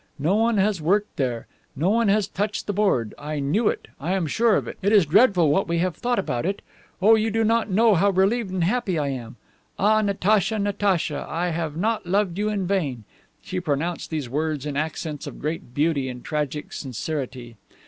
No one has worked there! No one has touched the board. I knew it. I am sure of it. It is dreadful what we have thought about it! Oh, you do not know how relieved and happy I am. Ah, Natacha, Natacha, I have not loved you in vain. (She pronounced these words in accents of great beauty and tragic sincerity.)